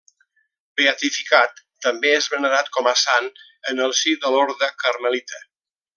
Beatificat, també és venerat com a sant en el si de l'orde carmelita.